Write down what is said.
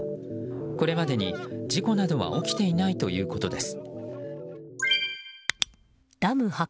これまでに事故などは起きていないということです。